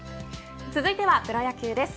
続いてはプロ野球です。